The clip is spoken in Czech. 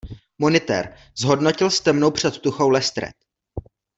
Monitér, zhodnotil s temnou předtuchou Lestred.